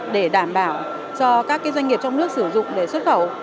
để đảm bảo cho các doanh nghiệp trong nước sử dụng để xuất khẩu